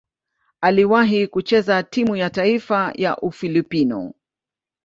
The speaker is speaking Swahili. Aliwahi kucheza timu ya taifa ya Ufilipino.